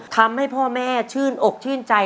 ทำให้พ่อแม่ชื่นอกชื่นใจ